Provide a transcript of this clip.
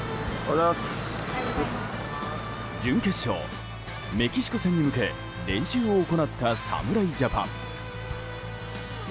準決勝、メキシコ戦に向け練習を行った侍ジャパン。